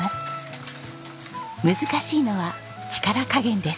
難しいのは力加減です。